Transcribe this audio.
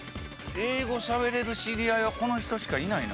英語しゃべれる知り合いはこの人しかいないな。